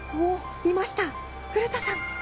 いました、古田さん。